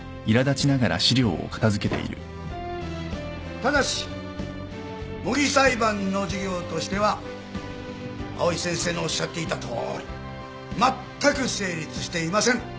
ただし模擬裁判の授業としては藍井先生のおっしゃっていたとおりまったく成立していません。